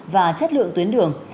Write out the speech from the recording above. và chất lượng tuyến đường